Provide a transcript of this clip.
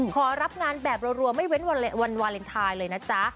ขอรับงานแบบรัวไม่เว้นวันวาเลนไทยเลยนะจ๊ะ